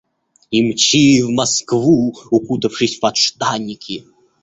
И мчи в Москву, укутавшись в подштанники.